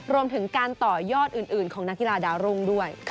รวมถึงการต่อยอดอื่นของนักกีฬาดาวรุ่งด้วย